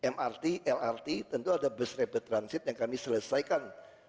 mrt lrt tentu ada bus rapid transit yang kami selesaikan